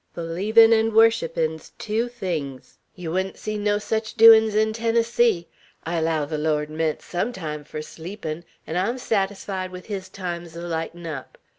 Believin' 'n' worshippin' 's tew things. Yeow wouldn't see no sech doin's in Tennessee. I allow the Lawd meant some time fur sleepin'; 'n' I'm satisfied with his times o' lightin' up.